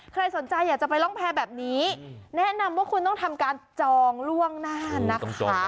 ใครสนใจอยากจะไปร่องแพร่แบบนี้แนะนำว่าคุณต้องทำการจองล่วงหน้านะคะ